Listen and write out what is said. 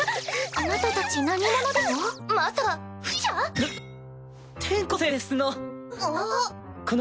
あなたたち何者ですの？